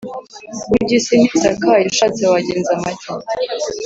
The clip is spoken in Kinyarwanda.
Bury’isi ntisakaye ushatse wagenza make